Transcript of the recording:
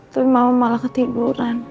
tapi mama malah ketiduran